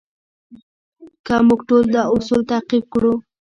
که موږ ټول دا اصول تعقیب کړو.